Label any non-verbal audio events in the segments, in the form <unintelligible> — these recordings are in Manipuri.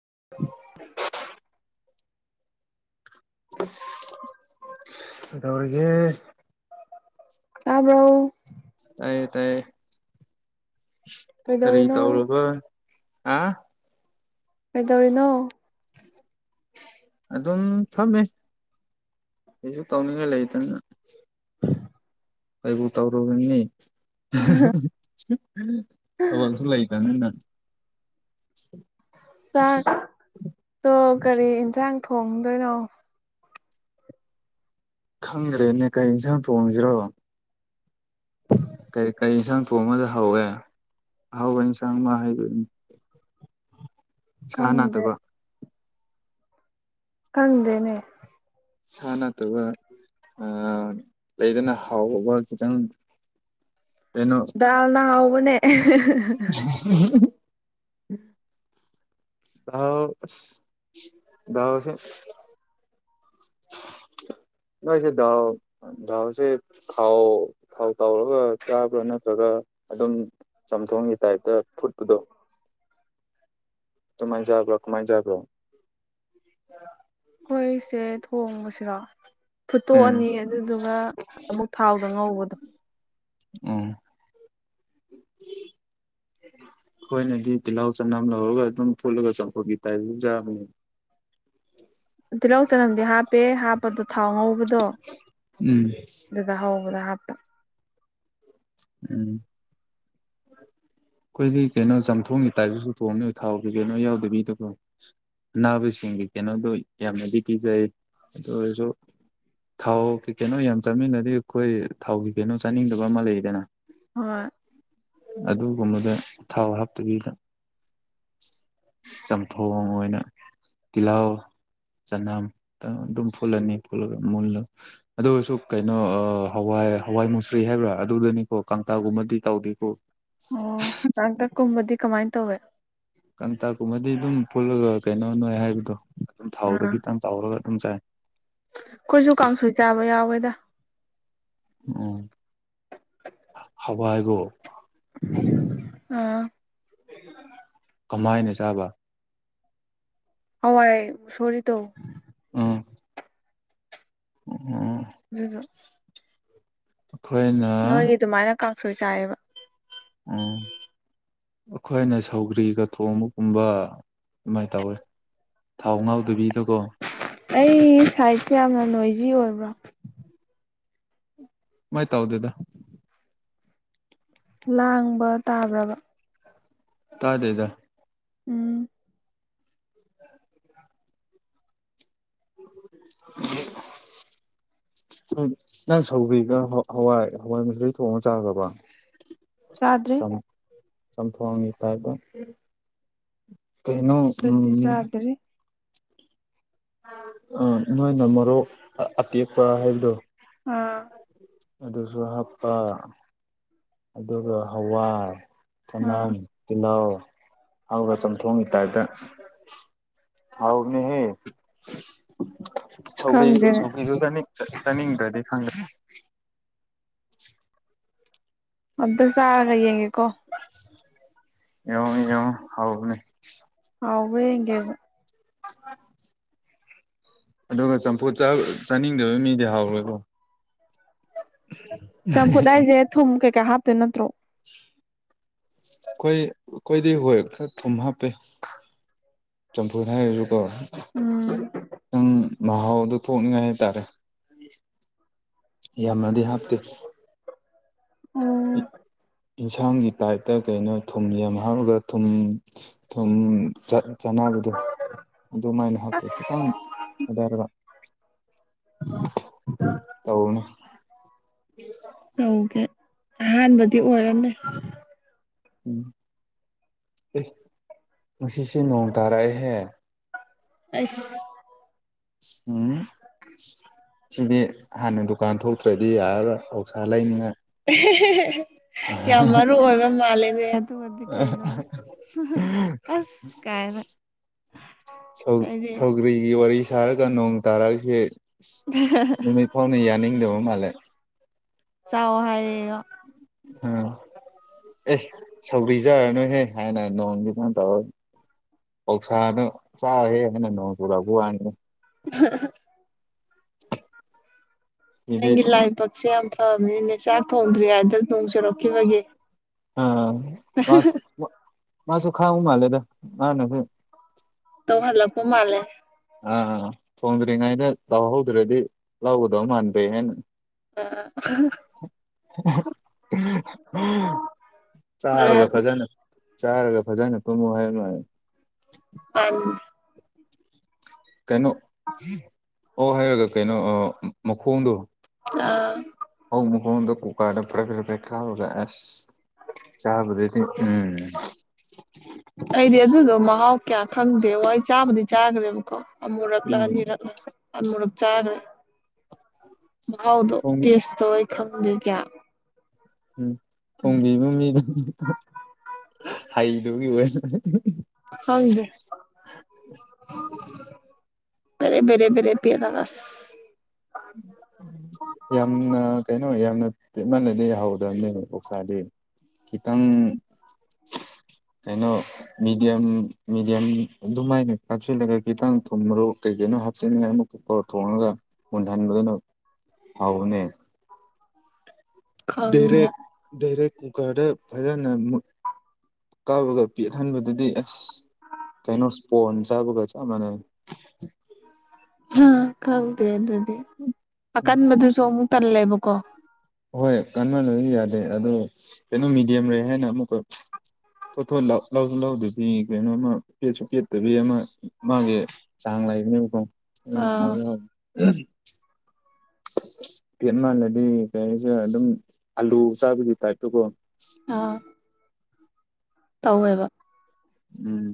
<inaudible> <inaudible> ꯑꯗꯧꯔꯒ ꯇꯥꯕ꯭ꯔꯣ ꯇꯥꯏꯌꯦ ꯇꯥꯏꯌꯦ ꯀꯔꯤ ꯀꯩꯗꯧꯔꯤꯅꯣ ꯇꯧꯨꯔꯕ ꯑ ꯀꯩꯗꯧꯔꯤꯅꯣ ꯑꯗꯨꯝ ꯐꯝꯃꯦ ꯑꯩꯁꯨ ꯇꯧꯅꯤꯡꯉꯥꯏ ꯂꯩꯇꯅ ꯑꯩꯕꯨ ꯇꯧꯔꯨꯕꯅꯤ ꯑꯕꯁꯨ ꯂꯩꯇꯅꯤ ꯅꯪ ꯆꯥꯛꯇꯣ ꯀꯔꯤ ꯌꯦꯟꯁꯥꯡ ꯊꯣꯡꯗꯣꯏꯅꯣ ꯈꯪꯗ꯭ꯔꯦꯅꯦ ꯀꯔꯤ ꯌꯦꯟꯁꯥꯡ ꯊꯣꯡꯁꯤꯔꯣ ꯀꯔꯤ ꯀꯔꯤ ꯌꯦꯟꯁꯥꯡ ꯊꯣꯡ ꯑꯃꯗ ꯍꯧꯋꯦ ꯑꯍꯥꯎꯧꯕ ꯏꯟꯁꯥꯡ ꯑꯃ ꯍꯥꯏꯩꯗꯣꯏꯅꯤ ꯈꯪꯗꯦ ꯆꯅꯥꯠꯇꯕ ꯀꯪꯗꯅꯦ ꯆꯅ ꯇ ꯋꯥ ꯂꯩꯗꯅ ꯍꯥꯎꯕ ꯈꯤꯇꯪ ꯀꯩꯅꯣ ꯗꯥꯜꯅ ꯍꯥꯎꯕꯅꯦ ꯑꯣꯁꯦ <unintelligible> ꯅꯣꯏꯁꯦ ꯗꯥꯥꯎ ꯗꯥꯎꯁꯦ ꯊꯥꯎ ꯊꯥꯎ ꯇꯥꯎꯔꯒ ꯆꯥꯕ꯭ꯔ ꯅꯠꯇ꯭ꯔ ꯑꯗꯨꯒ ꯑꯗꯨꯝ ꯆꯝꯊꯣꯡꯒꯤ ꯇꯥꯏꯞꯇ ꯐꯨꯠꯄꯗꯣ ꯀꯃꯥꯏꯅꯖꯕ꯭ꯔꯣ ꯀꯃꯥꯏꯅꯖꯕ꯭ꯔꯣ ꯑꯩꯈꯣꯏꯁꯦ ꯊꯣꯡꯕꯁꯤꯔꯣ ꯎꯝ ꯐꯨꯠꯇꯣꯛꯑꯅꯤ ꯑꯗꯨꯗꯨꯒ ꯑꯃꯨꯛ ꯊꯥꯎꯗ ꯉꯧꯕꯗꯣ ꯑꯥ ꯍꯣꯏꯅꯗꯤ ꯇꯤꯜꯍꯥꯎ ꯆꯅꯝ ꯂꯧꯔꯒ ꯑꯗꯨꯝ ꯐꯨꯠꯂꯒ ꯆꯥꯎꯈꯠꯄꯤ ꯇꯥꯏꯖꯥꯕꯅꯦ ꯇꯤꯜꯍꯧ ꯆꯅꯝꯗꯤ ꯍꯥꯞꯄꯦ ꯍꯥꯞꯄꯗ ꯊꯥꯎ ꯉꯧꯕꯗ ꯗꯣ ꯎꯝ ꯑꯗꯨꯗ ꯍꯧꯕꯗ ꯍꯥꯞꯄ ꯎꯝ ꯑꯩꯈꯣꯏꯗꯤ ꯀꯩꯅꯣ ꯆꯥꯝꯊꯣꯡꯒꯤ ꯇꯥꯏꯞꯄꯁꯨ ꯊꯣꯡꯅꯤ ꯊꯥꯎꯒꯤ ꯀꯩꯅꯣ ꯌꯥꯎꯗꯕꯤꯗꯕ ꯑꯅꯥꯕꯁꯤꯡꯒꯤ ꯀꯩꯅꯣꯗꯨꯣ ꯌꯥꯝꯅꯗꯤ ꯄꯤꯖꯩ ꯑꯗꯨ ꯑꯣꯏꯔꯁꯨ ꯊꯥꯎ ꯀꯩꯅꯣ ꯌꯥꯝ ꯆꯥꯃꯤꯟꯅꯗꯤ ꯑꯩꯈꯣꯏ ꯊꯥꯎꯒꯤ ꯀꯩꯅꯣ ꯆꯥꯅꯤꯡꯗꯕ ꯑꯃ ꯂꯩꯗꯅ ꯍꯣꯏ ꯒꯨꯝꯕꯗ ꯎ ꯊꯥꯎ ꯍꯥꯞꯇꯕꯤꯗ ꯆꯝꯊꯣꯡ ꯑꯣꯏꯅ ꯇꯤꯂꯑꯣ ꯆꯅꯝ ꯑꯗꯨꯝ ꯐꯨꯜꯂꯅꯤ ꯐꯨꯜꯂꯒ ꯃꯨꯜꯂ ꯑꯗꯨꯒꯁꯨ ꯀꯩꯅꯣ ꯍꯋꯥꯏ ꯍꯋꯥꯏ ꯃꯨꯁ꯭ꯔꯤ ꯍꯥꯏꯕ꯭ꯔꯥ ꯑꯗꯨꯗꯅꯤꯀꯣ ꯀꯥꯡꯇꯥꯥꯒꯨꯝꯕꯗꯤ ꯇꯧꯗꯦꯀꯣ ꯑꯣ ꯇꯥꯡꯇꯛꯀꯨꯝꯕꯗꯤ ꯀꯃꯥꯏꯅ ꯇꯧꯋꯦ ꯀꯇꯀꯨꯝꯃꯗꯤ ꯑꯗꯨꯝ ꯄꯨꯜꯂꯒ ꯀꯩꯅꯣ ꯅꯣꯏ ꯍꯥꯏꯕꯗꯣ ꯑꯗꯨꯝ ꯊꯥꯎꯗ ꯈꯤꯇꯪ ꯇꯥꯎꯔꯒ ꯊꯝꯁꯥꯏꯦ ꯀꯣꯏꯁꯨ ꯀꯥꯡꯁꯨꯣꯏ ꯆꯥꯕ ꯌꯥꯎꯋꯦꯗ ꯎꯝ ꯍꯋꯥꯏꯒꯣ ꯑꯥ ꯀꯃꯥꯏꯅ ꯆꯥꯕ ꯑꯋꯥꯏ ꯁꯔꯤ ꯇꯣ ꯑ ꯖ ꯑꯩꯈꯣꯏꯅ ꯀꯥꯡꯁꯨꯣꯏ ꯆꯥꯏꯑꯕ ꯎꯝ ꯑꯩꯈꯣꯏꯅ ꯁꯧꯒ꯭ꯔꯤꯒ ꯊꯣꯡꯕꯒꯨꯝꯕ ꯑꯗꯨꯃꯥꯏꯅ ꯇꯧꯋꯤ ꯊꯥꯎ ꯉꯥꯎꯗꯕꯤꯗꯀꯣ ꯑꯩ ꯁꯥꯏꯖꯁꯨ ꯌꯥꯝꯅ ꯅꯣꯏꯖꯤ ꯑꯣꯏꯕ꯭ꯔꯥ ꯃꯥꯏ ꯇꯥꯎꯗꯗ ꯂꯥꯡꯕ ꯇꯥꯕ꯭ꯔꯕ ꯇꯥꯗꯩꯗ ꯎꯝ ꯌꯦ ꯅꯪ ꯁꯧꯕꯤꯒ ꯍꯋꯥꯏ ꯍꯋꯥꯏ ꯃꯆ ꯊꯣꯡꯉ ꯆꯥꯈ꯭ꯔꯕ ꯔꯥꯗ꯭ꯔꯤ ꯁꯝꯐꯅꯤ ꯇꯥꯏꯗ ꯀꯩꯅꯣ ꯎꯝ ꯑꯗꯨꯗꯤ ꯆꯥꯗ꯭ꯔꯤ ꯑ ꯅꯣꯏꯅ ꯃꯣꯔꯣꯛ ꯑꯇꯦꯛꯄ ꯍꯥꯏꯕꯗꯣ ꯑꯥ ꯑꯗꯨꯁꯨ ꯍꯥꯞꯄ ꯑꯗꯨꯒ ꯍꯋꯥꯏ ꯑꯥ ꯆꯅꯥꯝ ꯇꯤꯂꯥꯎ ꯑꯒ ꯆꯝ ꯊꯣꯡꯉ ꯏꯇꯥꯏꯗ ꯍꯥꯎ ꯃꯤꯍꯦ ꯁꯧꯔꯤ ꯈꯪꯗꯦꯅꯦ ꯁꯧ꯭ꯔꯤꯗꯨ ꯆꯥꯅꯤꯡꯗ꯭ꯔꯗꯤ ꯈꯪꯗ꯭ꯔꯦ ꯑꯗꯁꯥꯔ ꯂꯒꯦꯀꯣ ꯑꯦ ꯑꯉ ꯍꯥꯎꯅꯦ ꯑꯋꯦ ꯌꯦꯦ ꯑ ꯑꯗꯨꯒ ꯆꯝꯐꯨꯠ ꯆꯥꯅꯤꯡꯗꯕ ꯃꯤꯗꯤ ꯍꯥꯎꯔꯣꯏꯀꯣ ꯆꯝꯐꯨꯠ ꯍꯥꯏꯁꯦ ꯊꯨꯝ ꯀꯩꯀꯥ ꯍꯥꯞꯇꯦ ꯅꯠꯇ꯭ꯔꯣ ꯑꯩꯈꯣꯏ ꯑꯩꯈꯣꯏꯗꯤ ꯍꯣꯏ ꯈꯔ ꯊꯨꯝ ꯍꯥꯞꯄꯦ ꯆꯝꯐꯨ ꯍꯥꯏꯔꯁꯨ ꯍꯣꯏ ꯎꯝ ꯅꯪ ꯃꯍꯥꯎ ꯑꯗꯨꯣ ꯊꯣꯛꯅꯤꯡꯉꯥꯏ ꯍꯥꯏꯇꯥꯔꯦ ꯌꯥꯝꯅꯗꯤ ꯍꯥꯞꯇꯦ ꯑꯣ ꯌꯦꯟꯁꯥꯡꯒꯤ ꯇꯥꯏꯞꯇ ꯀꯩꯅꯣ ꯊꯨꯝ ꯌꯥꯝ ꯍꯥꯞꯔꯒ ꯊꯨꯝ ꯊꯨꯝ ꯆꯠ ꯆꯥꯅꯕꯗꯣ ꯑꯗꯨꯃꯥꯏꯅ ꯍꯥꯇ꯭ꯔꯦ ꯑꯁ ꯈꯤꯇꯪ ꯑꯏꯗ ꯍꯜꯂꯣ ꯇꯧꯅ ꯇꯧꯒꯦ ꯑꯍꯥꯟꯕꯗꯤ ꯑꯣꯏꯔꯝꯃꯦ ꯎꯝ ꯑꯦ ꯉꯁꯤꯁꯦ ꯅꯣꯡ ꯇꯥꯔꯛꯑꯦꯍꯦ ꯑꯁ ꯎꯝ ꯁꯤꯗꯤ ꯍꯥꯟꯅ ꯗꯨꯀꯥꯟ ꯊꯣꯛꯇ꯭ꯔꯗꯤ ꯌꯥꯔꯔꫭꯏ ꯑꯧꯁꯥ ꯂꯩꯅꯤꯉꯥꯏ ꯌꯥꯝ ꯃꯔꯨ ꯑꯣꯏꯕ ꯃꯥꯜꯂꯤꯦꯅꯦ ꯑꯗꯨꯒꯗꯤ ꯀꯩꯅꯣꯅꯦ ꯑꯁ ꯀꯥꯏꯅ ꯁꯧ ꯑꯩꯗꯤ ꯁꯧꯒ꯭ꯔꯤꯒꯤ ꯋꯥꯔꯤꯁ ꯅꯨꯡꯁꯥ ꯁꯥꯔꯒ ꯅꯣꯡ ꯇꯥꯔꯛꯏꯁꯦ ꯅꯨꯃꯤꯠ ꯐꯥꯎꯅꯥ ꯌꯥꯅꯤꯡꯗꯕ ꯃꯥꯜꯂꯦ ꯆꯥꯎ ꯍꯥꯏꯔꯤꯌ‌ꯦ ꯎꯝ ꯑꯦ ꯁꯧꯕꯤꯖꯔ ꯅꯣꯏꯍꯦ ꯍꯥꯏꯅ ꯅꯣꯡꯗꯤ ꯀꯃꯥꯏꯅ ꯇꯧꯔ ꯄꯧꯁꯥꯅ ꯆꯥ ꯍꯦ ꯍꯥꯏꯅ ꯅꯣꯡ ꯆꯨ ꯂꯛꯄ ꯋꯥꯅꯤ <inaudible> <inaudible> ꯅꯪꯒꯤ ꯂꯥꯏꯄꯛꯁꯦ ꯌꯥꯝ ꯐꯕꯅꯤꯅꯦ ꯆꯥꯛ ꯊꯣꯡꯗ꯭ꯔꯤ ꯍꯥꯏꯗ ꯅꯣꯡ ꯆꯨꯔꯛꯈꯤꯕꯒꯤ ꯑꯥ ꯃꯥꯁꯨ ꯈꯥꯎ ꯃꯥꯂꯦꯗ ꯃꯥꯅꯦꯁꯨ ꯇ ꯍꯜꯂ ꯀꯨ ꯃꯥꯂꯦ ꯊꯣꯡꯗ꯭ꯔꯤꯉꯥꯏꯗ ꯂꯥꯎꯍꯧꯗ꯭ꯔꯗꯤ ꯂꯧꯒꯗꯧ ꯃꯥꯟꯗꯦ ꯍꯥꯏꯅ ꯑꯥ ꯎꯝ ꯆꯥꯔꯒ ꯍꯣꯔꯦꯟ ꯐꯖꯅ ꯆꯥꯔꯒ ꯐꯖꯅ ꯇꯨꯝꯃꯨ ꯍꯥꯏꯃ ꯑ ꯀꯩꯅꯣ ꯑꯣ ꯍꯥꯏꯔꯒ ꯀꯩꯅꯣ ꯑꯥ ꯃꯈꯣꯡꯗꯣ ꯑꯥ ꯑꫭꯛ ꯃꯈꫭꯡꯗꫭ ꯀꯨꯀꯥꫪꯗ ꯄꯔ‌ꯦꯛ ꯄꯔ‌ꯦꯛ ꯀꯥꯝꯃꯒꯥ ꯑꯁ ꯆꯥꯕꯗꯗꯤ ꯎꯝ ꯑꯩꯗꯤ ꯑꯗꯨꯗꯣ ꯃꯍꯥꯎ ꯀꯌꯥ ꯈꯪꯗꯦꯉꫭ ꯑꯩ ꯆꯥꯕꯨꯗꯤ ꯆꯥꯈ꯭ꯔꯦꯕ ꯀꯣ ꯑꯃꯨꯔꯛꯂ ꯎꯝ ꯑꯅꯤꯔꯛꯂ ꯑꯃꯨꯔꯛ ꯆꯥꯈ꯭ꯒꯔꯦ ꯃꯍꯥꯎꯗꯣ ꯊꯣꯡꯕꯤ ꯇꯦꯁꯇꯣ ꯑꯩ ꯈꯪꯗꯦ ꯀꯩꯌꯥ ꯎꯝ ꯊꯣꯡꯕꯤꯕ ꯃꯤꯗꯨꯗꯤ ꯍꯩꯗꯨꯒꯤ ꯑꯣꯏ ꯈꯪꯗꯦ ꯆꯔꯦ ꯕꯔꯦ ꯕꯔꯦ ꯄꯦꯠꯂꯒ ꯑꯁ ꯌꯥꯝꯅ ꯀꯩꯅꫭ ꯌꯥꯝꯅ ꯄꯦꯠꯃꯜꯂꯗꯤ ꯍꯧꯗꯕꯅꯤ ꯑꯣꯛꯁꯥꯗꯤ ꯈꯤꯇꯪ ꯀꯩꯅꯣ ꯃꯤꯗꯤꯌꯝ ꯃꯤꯗꯤꯌꯝ ꯑꯗꯨꯃꯥꯏꯅ ꯀꯥꯞꯁꯤꯜꯂꯒ ꯈꯤꯇꯪ ꯊꯨꯝꯃ꯭ꯔꯣꯛ ꯀꯩ ꯀꯩꯅꫭ ꯍꯥꯞꯆꯤꯅꯤꯡꯉꯥꯏ ꯑꯃꯨꯛꯔ ꯊꯣꯡꯉꯒ ꯃꯨꯟꯍꯟꯕꯗꯨꯅ ꯍꯥꯎꯕꯅꯦ ꯈꯪꯗꯦ ꯗꯥꯏꯔꯦꯛ ꯗꯥꯏꯔꯦꯛ ꯀꯨꯀꯔꯗ ꯐꯖꯅ ꯃꯨꯟ ꯀꯥꯝꯃꯒ ꯄ‌ꯦꯠꯍꯟꯕꯗꯨꯗꯤ ꯑꯁ ꯀꯩꯅꫭ ꯏꯁꯄꯣꯟꯁꯆꯥꯕꯒ ꯆꯞ ꯃꯟꯅꯕꯅ‌ꯦ ꯈꯪꯗꯦ ꯑꯗꯨꯗꯤ ꯎꯝ ꯑꯀꯟꯕꯗꯨꯁꯨ ꯑꯃꯨꯛ ꯇꯜꯂꯦꯕꯀꯣ ꯍꯣꯏ ꯀꯥꯟꯃꯟꯂꯗꯤ ꯌꯥꯗꯦ ꯑꯗꯣ ꯀꯩꯅꯣ ꯃꯗꯤꯌꯝ ꯂꯩ ꯍꯥꯏꯅ ꯑꯃꯨꯛꯀ ꯊꯣꯊꯣꯠ ꯂꯧꯁꯨ ꯂꯧꯗꯕꯤ ꯀꯩꯅꯣꯃ ꯄꯦꯠꯁꯨ ꯄꯦꯠꯇꯕꯤ ꯑꯃ ꯃꯥꯒꯤ ꯆꯥꯡ ꯂꯩꯕꯅꯦꯕꯀꫭ ꯑꯗꯨꯅꯥ ꯑꯥ ꯍꯥꯎꯖꯨ ꯍꯥꯎꯕꯅꯤ ꯄꯦꯠ ꯃꯜꯂꯗꯤ ꯀꯩꯍꯥꯏꯁꯤꯔꯥ ꯑꯗꯨꯝ ꯑꯂꯨ ꯆꯥꯕꯒꯤ ꯇꯥꯏꯞꯇꯨꯀꯣ ꯑꯥ ꯇꯧꯋꯦꯕ ꯎꯝ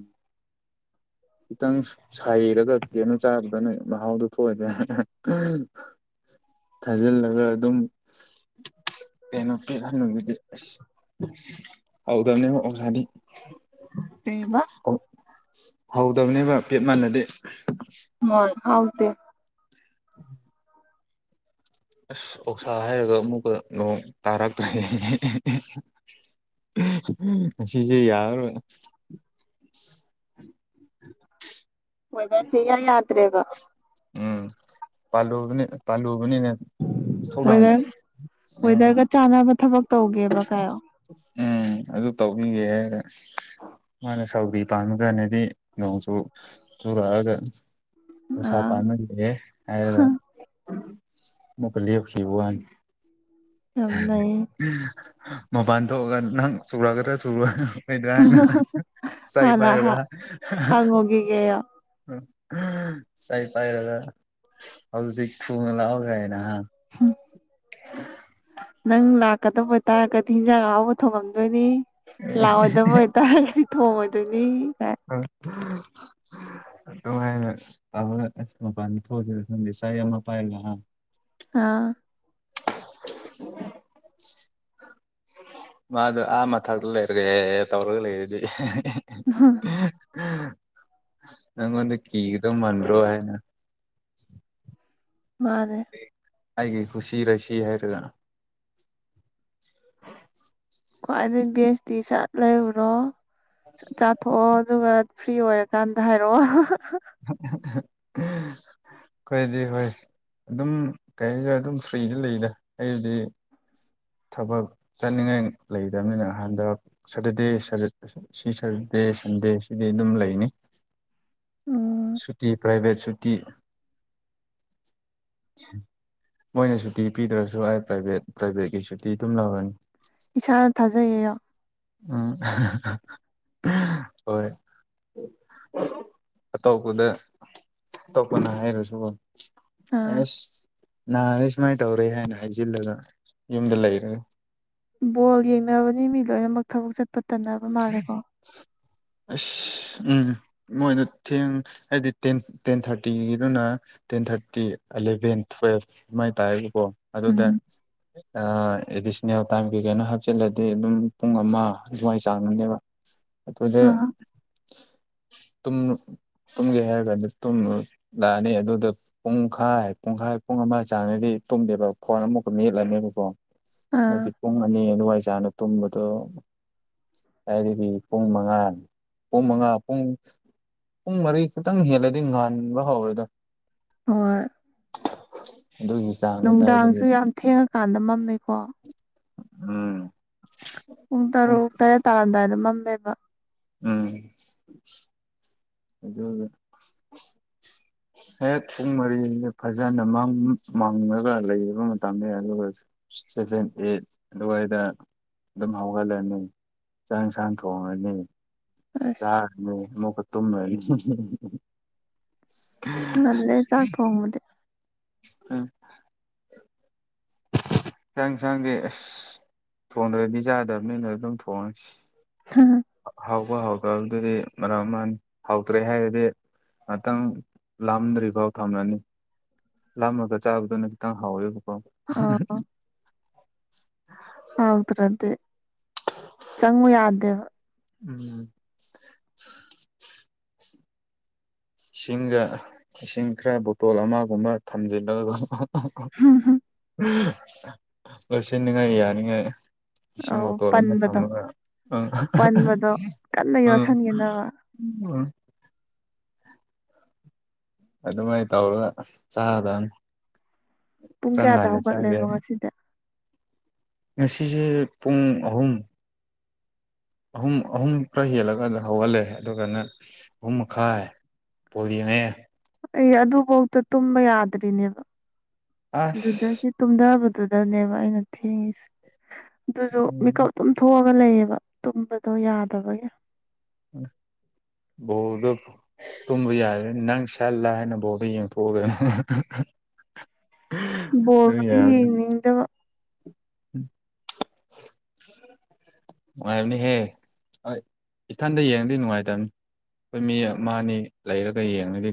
ꯈꯤꯇꯪ ꯁꯥꯏꯔꯒ ꯀꯦꯅꯣ ꯆꯥꯒꯗꯕꯅ‌ꯦ ꯃꯍꯥꯎꯗ ꯊꯣꯛꯑꫭꯏꯗꯥ ꯊꯥꯖꯤꯜꯂꯒ ꯑꯗꯨꯝ ꯀꯩꯅꯣ ꯄꯔꯥꯟ ꯅꯨꯅꯨꯡꯒꯤꯗꯤ <unintelligible> ꯑꯁ ꯍꯧꯎꯗꯕꯅꯦꯕ ꯑꯣꯔꯥꯗꯤ ꯀꯩꯏꯕꯥ ꯍꯧꯗꯕꯅꯦꯕ ꯄꯦꯠ ꯃꯥꯟꯅꯗꯤꯦ ꯍꯣꯏ ꯍꯥꯎꯇꯦ ꯎ <inaudible> ꯑꯁ ꯑꯣꯛꯁꯥ ꯍꯥꯏꯔꯒ ꯑꯃꯨꯛꯀ ꯅꯣꯡ ꯇꯥꯔꯛꯇ꯭ꯔꯦ ꯉꯁꯤꯁꯦ ꯌꯥꯔꯔꯣꯏ <inaudible> ꯋꯦꯗꯔ ꯁꯦ ꯏꯌꯥ ꯌꯥꯗ꯭ꯔꯦꯕ ꯎꯝ ꯄꯥꯜꯂꯨꯕꯅꯦ ꯄꯥꯜꯂꯨ ꯅꯤ ꯊꯧꯗꯥꯥꯡ ꯋꯦꯗꯔ ꯎꯝ ꯋꯦꯗꯔꯒ ꯆꯥꯟꯅꯕ ꯊꯕꯛ ꯇꯧꯒꯦꯕ ꯀꯥꯏꯌꯣ ꯎꯝ ꯑꯗꯨ ꯇꯧꯕꯤꯒꯦ ꯃꯥꯅ ꯁꯥꯎꯔꯤ ꯄꯥꯝꯕꯥ ꯀꯥꯟꯗꯗꯤ ꯅꯣꯡꯆꯨ ꯆꯨꯔꯛꯑꯒ ꯑꯥ ꯑꯣꯛꯁꯥꯄꯅꯦ <unintelligible> ꯍꯥꯏꯔꯒ ꯑꯃꯨꯛꯀ ꯂꯦꯞꯈꯤꯕꯋꯥꯅꯦ ꯌꯥꯝ ꯅꯩ ꯃꯄꯥꯟ ꯊꯣꯛꯑꯒ ꯅꯪ ꯆꯨꯔꯛꯀꯗ꯭ꯔꯥ ꯆꯨꯔꯛ ꯑꯣꯏꯗ꯭ꯔꯥ ꯑꯣꯏꯗ꯭ꯔꯥ <unintelligible> ꯍꯥꯏꯅ ꯆꯩ ꯍꯥꯟꯅ ꯍꯥ ꯄꯥꯏꯔꯒ ꯍꯪꯉꯨꯒꯤꯒꯦꯌꯣ ꯎꯝ ꯆꯩ ꯄꯥꯏꯔꯒ ꯍꯧꯖꯤꯛ ꯊꯨꯅ ꯂꯥꯛꯑꯣ ꯒꯥꯏꯅ ꯍꯥ ꯅꯪ ꯂꯥꯛ ꯂꯥꯛꯀꯗꯕ ꯑꯣꯏꯇꯥꯔꯒꯗꯤ ꯍꯤꯟꯖꯥꯡ ꯑꯍꯥꯎꯕ ꯊꯣꯡꯉꯝꯗꯣꯏꯅꯤ ꯂꯥꯛꯑꯣꯏꯗꯕ ꯑꯣꯏꯇꯥꯔꯒꯗꯤ ꯊꯣꯡꯉꯣꯏꯗꯣꯏꯅꯤ ꯀꯥꯏ <unintelligible> ꯑꯗꯨ ꯍꯥꯏꯔꯒ ꯂꯥꯛꯄꯒ ꯃꯄꯥꯟꯗ ꯊꯣꯛ ꯑꯣꯏꯗꯣꯏꯔꯥ ꯈꯪꯗꯦ ꯆꯩ ꯑꯃ ꯄꯥꯏꯔꯒ ꯍꯥ ꯑꯥ <inaudible> ꯃꯥꯗꯣ ꯑꯥ ꯃꯊꯛꯇ ꯂꯩꯔꯦ ꯇꯧꯔꯒ ꯂꯩꯔꯗꯤ ꯍꯥ ꯅꯪꯉꯣꯟꯗ ꯀꯤꯒꯗꯕ ꯃꯥꯟꯔꯕ꯭ꯔꯣ ꯍꯥꯏꯅ ꯃꯥꯅꯦ ꯑꯩꯒꯤ ꯀꯨꯁꯤ ꯔꯥꯁꯤ ꯍꯥꯏꯔꯒ ꯈ꯭ꯋꯥꯏꯗꯒꯤ ꯕꯦꯁꯇꯤ ꯁꯠ ꯂꯩꯔꯨꯔꯣ ꯁꯠ ꯆꯥꯊꯣꯛꯑꯣ ꯑꯗꯨꯒ ꯐ꯭ꯔꯤ ꯑꯣꯏꯔꯀꯥꯟꯗ ꯍꯥꯏꯔꯛꯑꯣ <inaudible> ꯑꯩꯈꯣꯏꯗꯤ ꯍꯣꯏ ꯑꯗꯨꯝ ꯀꯩꯅꯣꯗ ꯑꯗꯨꯝ ꯐ꯭ꯔꯤꯗ ꯂꯩꯗ ꯑꯩꯗꯤ ꯊꯕꯛ ꯆꯠꯅꯤꯡꯉꯥꯏ ꯂꯩꯗꯕꯅꯤꯅ ꯍꯟꯗꯛ ꯁꯇꯔꯗꯦ ꯁꯤ ꯁꯇꯔꯗꯦ ꯗꯦ ꯁꯟꯗꯦ ꯁꯤꯗꯤ ꯑꯗꯨꯝ ꯂꯩꯅꯤ ꯎꯝ ꯁꯨꯇꯤ ꯄ꯭ꯔꯥꯏꯚꯦꯠ ꯁꯨꯇꯤ ꯃꯣꯏꯅ ꯁꯨꯇꯤ ꯄꯤꯗ꯭ꯔꯁꯨ ꯑꯩ ꯄ꯭ꯔꯥꯏꯚꯦꯠ ꯄ꯭ꯔꯥꯏꯚꯦꯠꯀꯤ ꯁꯨꯇꯤ ꯑꯗꯨꯝ ꯂꯧꯔꯅꯤ ꯏꯁꯥꯅ ꯊꯥꯖꯩꯌꯦ ꯎꯝ ꯍꯣꯏ ꯑꯇꯣꯞꯄꯗ ꯑꯇꯣꯞꯄꯅ ꯍꯥꯏꯔꯁꯨꯀꯣ ꯑꯥ ꯑꯁ ꯅꯥꯔꯦ ꯁꯨꯃꯥꯏꯅ ꯇꯧꯔꯦ ꯍꯥꯏꯅ ꯍꯥꯏꯖꯤꯜꯂꯒ ꯌꯨꯝꯗ ꯂꯩꯔꯒ ꯕꯣꯜ ꯌꯦꯡꯅꯕꯅꯤ ꯃꯤ ꯂꯣꯏꯅꯃꯛ ꯊꯕꯛ ꯆꯠꯄ ꯇꯟꯅꯕ ꯃꯥꯜꯂꯦꯀꯣ ꯃꯣꯏꯗ ꯊꯦꯡ ꯍꯥꯏꯗꯤ ꯇꯦꯟ ꯊꯥꯔꯇꯤꯒꯤꯗꯨꯅ ꯇꯦꯟ ꯊꯥꯔꯇꯤ ꯑꯦꯂꯦꯚꯦꯟ ꯇ꯭ꯨꯋꯦꯜꯚ ꯑꯗꯨꯃꯥꯏꯅ ꯇꯥꯏꯔꯒꯀꯣ ꯑꯗꯨꯗ ꯎꯝ ꯑꯦꯗꯤꯁꯅꯦꯜ ꯇꯥꯏꯝꯒꯤ ꯀꯩꯅꯣ ꯍꯥꯞꯆꯤꯜꯂꯗꯤ ꯑꯗꯨꯝ ꯄꯨꯡ ꯑꯃ ꯑꯗꯨꯋꯥꯏ ꯆꯥꯡꯗꯅꯦꯕ ꯑꯗꯨꯗ ꯑꯥ ꯇꯨꯝ ꯇꯨꯝꯒꯦ ꯍꯥꯏꯔꯒ ꯀꯥꯟꯗ ꯇꯨꯝ ꯂꯥꯛꯑꯅꯤ ꯑꯗꯨꯗ ꯄꯨꯡꯈꯥꯏ ꯄꯨꯡꯈꯥꯏ ꯄꯨꯡ ꯑꯃ ꯆꯥꯡꯗꯗꯤ ꯇꯨꯝꯗꯦꯕ ꯐꯣꯟ ꯑꯃꯨꯛꯀ ꯃꯦꯠꯂꯅꯤꯕꯀꯣ ꯑꯗꯨꯗꯤ ꯑꯥ ꯄꯨꯡ ꯑꯅꯤ ꯑꯗꯨꯋꯥꯏ ꯆꯥꯡꯗ ꯇꯨꯝꯕꯗꯣ ꯑꯗꯨꯗꯤ ꯄꯨꯡ ꯃꯉꯥ ꯄꯨꯡ ꯃꯉꯥ ꯄꯨꯡ ꯄꯨꯡ ꯃꯔꯤ ꯈꯛꯇꯪ ꯍꯦꯜꯂꯗꯤ ꯏꯪꯍꯟꯥꯟꯕ ꯍꯧꯔꯦꯗ ꯑꯣ ꯑꯗꯨꯒꯤ ꯆꯥꯡꯗ ꯀꯥꯏꯗꯒꯤ ꯅꯨꯡꯗꯥꯡꯁꯨ ꯌꯥꯝ ꯊꯦꯡꯉꯀꯥꯟꯗ ꯃꯝꯃꯦꯀꯣ ꯎꯝ ꯄꯨꯡ ꯇꯔꯨꯛ ꯇꯔꯦꯠ ꯇꯥꯔꯝꯗꯥꯏꯗ ꯃꯝꯃꯦꯕ ꯎꯝ ꯑꯗꯨ ꯍꯦꯛ ꯄꯨꯡ ꯃꯔꯤꯁ ꯐꯖꯅꯥꯡ ꯃꯥꯡꯉꯒ ꯂꯩꯕ ꯃꯇꯝꯅꯦ ꯑꯗꯨꯒꯁꯨ ꯁꯚꯦꯟ ꯑꯩꯠ ꯑꯗꯨꯋꯥꯏꯗ ꯑꯗꯨꯝ ꯍꯧꯒꯠꯂꯅꯤ ꯆꯥꯡ ꯁꯥꯡ ꯊꯣꯡꯉꯉꯅꯤ ꯑꯁ ꯆꯔ ꯃ ꯐ ꯇ ꯅ ꯂꯩꯦ ꯆꯥꯛ ꯊ ꯍꯃꯗ ꯑꯝ ꯌꯦꯟꯁꯥꯡꯟꯁꯥꯡꯗꯤ ꯑꯁ ꯊꯣꯡꯗ꯭ꯔꯗꯤ ꯆꯥꯗꯕꯅꯤꯅ ꯑꯗꯨꯝ ꯊꯣꯡꯉꯁꯤ ꯍꯥꯎꯕ ꯍꯥꯎꯗꯕꯗꯨꯗꯤ ꯃꯔꯝ ꯑꯃ ꯍꯥꯎꯇ꯭ꯔꯦ ꯍꯥꯏꯔꯗꯤ ꯉꯥꯛꯇꯪ ꯂꯥꯝꯗ꯭ꯔꯤꯐꯥꯎ ꯊꯝꯂꯅꯤ ꯂꯥꯃꯒ ꯆꯥꯕꯗꯨꯅ ꯈꯤꯇꯪ ꯍꯥꯎꯋꯦꯕꯀꯣ ꯍꯥꯎ ꯇ꯭ꯔꯗꯤ ꯆꯪꯨ ꯌꯥꯗꯗꯦꯕ ꯎꯝ ꯏꯁꯤꯡꯒ ꯏꯁꯤꯡ ꯈꯔ ꯕꯣꯇꯣꯜ ꯑꯃꯒꯨꯝꯕ ꯊꯝꯖꯤꯟꯕꯗ ꯂꯣꯏꯁꯤꯅꯤꯉꯥꯏ ꯌꯥꯅꯤꯡꯉꯥꯏ ꯑꯧ ꯏꯁꯤꯡ ꯣꯇꯣꯔ ꯑꯃ ꯄꯟꯕꯗꯣ ꯊꯝꯃꯒ ꯑ ꯄꯟꯕꯗꯣ ꯀꯟꯅ ꯑꯥ ꯌꯣꯠꯁꯟꯈꯤꯅꯕ ꯎ ꯑꯗꯨꯃꯥꯏꯅ ꯇꯧꯔꯒ ꯆꯥꯗꯅ ꯄꯨꯡ ꯀꯌꯥꯗ ꯔꯒꯥꯅ ꯍꯧꯒꯠꯂꯦꯕ ꯆꯥꯒꯦꯔꯦ ꯉꯁꯤꯗꯤ ꯉꯁꯤꯁꯦ ꯄꯨꯡ ꯑꯍꯨꯝ ꯑꯍꯨꯝ ꯑꯍꯨꯝ ꯈꯔ ꯍꯦꯜꯂꯒ ꯍꯧꯍꯜꯂꯦ ꯑꯗꯨꯒꯅ ꯑꯍꯨꯝ ꯃꯈꯥꯏ ꯄꯗꯤꯅꯦ ꯑꯩ ꯑꯗꯨꯐꯧꯗ ꯇꯨꯝꯕ ꯌꯥꯗ꯭ꯔꯤꯅꯦꯕ ꯑꯁ ꯑꯗꯨꯗꯒꯤ ꯇꯨꯝꯊꯕꯗ ꯑꯗꯨꯗꯅꯦꯕ ꯑꯩꯅ ꯊꯦꯡꯁꯦ ꯑꯗꯨꯁꯨ ꯎꯝ ꯃꯤꯀꯞ ꯑꯗꯨꯝ ꯂꯩꯌꯦꯕ ꯇꯨꯝꯕꯗꯣ ꯌꯥꯗꯕꯒꯤ ꯎꯝ ꯕꯣꯔꯗꯣ ꯇꯨꯝꯕ ꯌꯥꯔ ꯅꯪ ꯁꯥꯜꯂꯥ ꯍꯥꯏꯅ ꯕꯣꯔꯗꯣ ꯌꯦꯡꯊꯣꯛꯑꯒꯅ ꯀ ꯕꯣꯜꯕꯨꯗꯤ ꯌꯥꯔ ꯌꯦꯡꯅꯤꯡꯗꯕ ꯎꯝ ꯅꯨꯡꯉꯥꯏꯕꯅꯤꯍꯦ ꯏꯊꯟꯗ ꯌꯦꯡꯗꯤ ꯅꯨꯡꯉꯥꯏꯇꯕꯅꯤ ꯑꯩꯈꯣꯏ ꯃꯤ ꯑꯃꯅꯤ ꯂꯩꯔꯒ ꯌꯦꯡꯉꯒꯤ